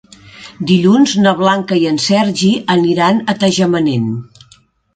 Dilluns na Blanca i en Sergi aniran a Tagamanent.